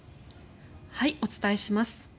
お伝えします。